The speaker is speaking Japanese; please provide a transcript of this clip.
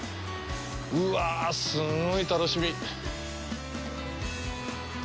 うわぁ、すんごい楽しみ！